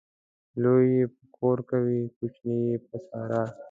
لوى يې پر کور کوي ، کوچنى يې پر سارا.